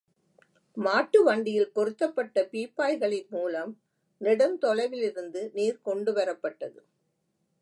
மாட்டு வண்டியில் பொருத்தப்பட்ட பீப்பாய்களின் மூலம் நெடுந்தொலைவிலிருந்து நீர் கொண்டுவரப்பட்டது.